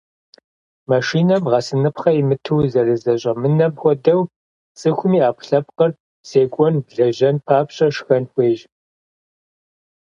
Машинэм гъэсыныпхъэ имыту зэрызэщӏэмынэм хуэдэу, цӏыхум и ӏэпкълъэпкъыр зекӏуэн, лэжьэн папщӏэ, шхэн хуейщ.